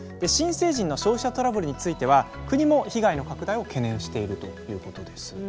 新成人の消費者トラブルについては国も被害の拡大を懸念しているということです。